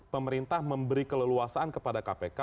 pemerintah memberi keleluasaan kepada kpk